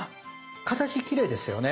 形きれいですよね。